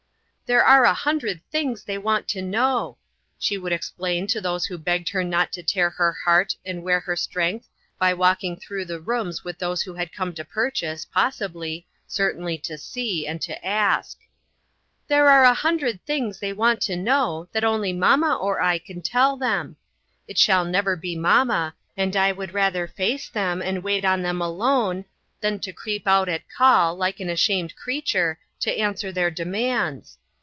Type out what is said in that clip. "There are a hundred things they want to know," she would explain to those who OUT IN THE WORLD. 39 begged her not to tear her heart and wear her strength by walking through the rooms with those who had come to purchase, possi bly, certainly to see, and to ask. " There are a hundred things they want to know that only mamma or I can tell them. It shall never be mamma, and I would rather face them and wait on them alone, than to creep out at call, like an ashamed creature, to answer their demands.